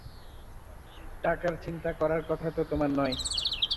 টাকার চিন্তা করার কথা তো তোমার নয়!